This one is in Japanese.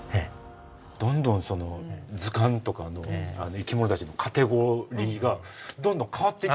どんどん図鑑とかの生き物たちのカテゴリーがどんどん変わって。